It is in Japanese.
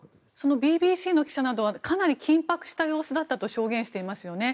ＢＢＣの記者などはかなり緊迫した様子だったと証言していますよね。